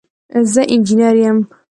زه انجينر يم.